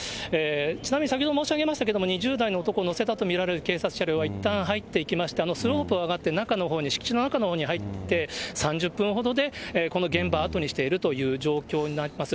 ちなみに先ほど申し上げましたけれども、２０代の男を乗せたと見られる警察車両はいったん入っていきまして、中のほうに、敷地の中のほうに入って、３０分ほどでこの現場を後にしているという状況になります。